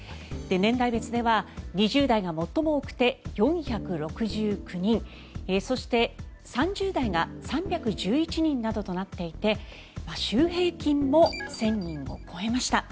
年代別では２０代が最も多くて４６９人そして、３０代が３１１人などとなっていて週平均も１０００人を超えました。